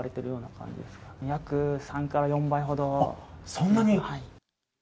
そんなに？